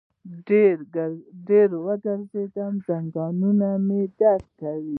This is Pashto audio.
ډېر وګرځیدم، زنګنونه مې درد کوي